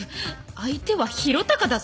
相手は宏嵩だぞ！